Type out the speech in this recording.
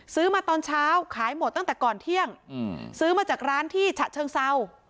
ซื้อมาตอนเช้าขายหมดตั้งแต่ก่อนเที่ยงซื้อมาจากร้านที่ฉะเชิงเศร้า